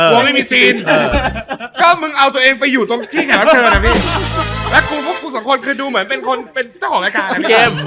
ไม่มีซีนก็มึงเอาตัวเองไปอยู่ตรงที่แขกรับเชิญนะพี่แล้วกูพวกกูสองคนคือดูเหมือนเป็นคนเป็นเจ้าของรายการเกม